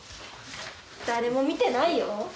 誰も見てないよ。